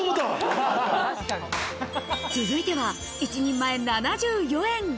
続いては、１人前７４円。